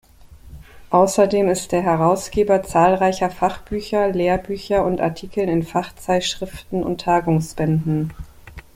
Außerdem ist der Herausgeber zahlreicher Fachbücher, Lehrbücher und Artikeln in Fachzeitschriften und Tagungsbänden.